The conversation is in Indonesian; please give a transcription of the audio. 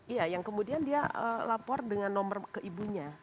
iya yang kemudian dia lapor dengan nomor ke ibunya